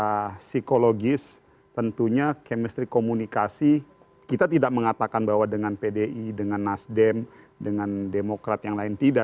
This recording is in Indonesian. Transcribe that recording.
secara psikologis tentunya chemistry komunikasi kita tidak mengatakan bahwa dengan pdi dengan nasdem dengan demokrat yang lain tidak